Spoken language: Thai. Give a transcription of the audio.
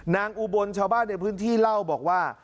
อุบลชาวบ้านในพื้นที่เล่าบอกว่า